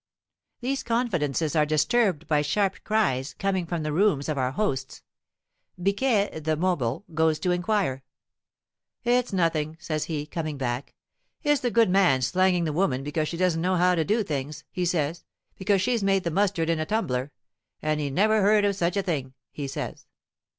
These confidences are disturbed by sharp cries, coming from the rooms of our hosts. Biquet the mobile goes to inquire. "It's nothing," says he, coming back; "it's the good man slanging the woman because she doesn't know how to do things, he says, because she's made the mustard in a tumbler, and he never heard of such a thing, he says."